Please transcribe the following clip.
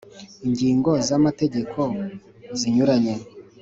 ingingo z’ amategeko zinyuranye